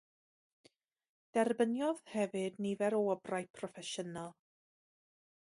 Derbyniodd hefyd nifer o wobrau proffesiynol.